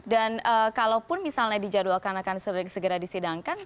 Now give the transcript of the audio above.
dan kalaupun misalnya dijadwalkan akan segera disidangkan